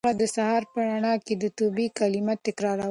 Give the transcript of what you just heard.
هغې د سهار په رڼا کې د توبې کلمې تکرارولې.